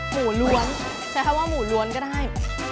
หมูล้วนใช้คำว่าหมูล้วนก็ได้